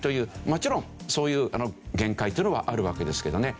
もちろんそういう限界っていうのはあるわけですけどね。